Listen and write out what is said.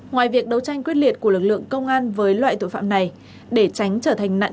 ngoài việc đấu tranh quyết liệt của lực lượng công an với loại tội phạm này để tránh trở thành nạn